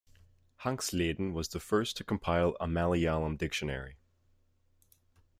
Hanxleden was the first to compile a Malayalam Dictionary.